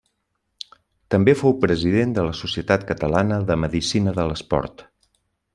També fou president de la Societat Catalana de Medicina de l’Esport.